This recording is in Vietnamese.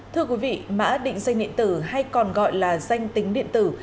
thưa quý vị mã định danh điện tử hay còn gọi là danh tính điện tử